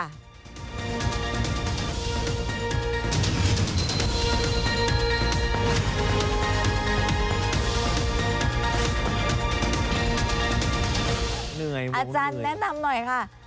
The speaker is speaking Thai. อาจารย์แนะนำหน่อยค่ะ